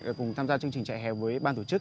để cùng tham gia chương trình trại hè với ban tổ chức